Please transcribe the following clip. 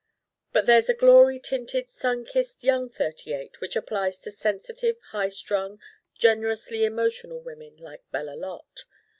But there's a glory tinted sun kissed young thirty eight which applies to sensitive high strung generously emotional women like Bella Lot.